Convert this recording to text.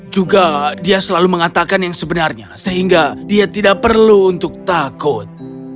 juga dia selalu mengatakan yang sebenarnya sehingga dia tidak perlu untuk takut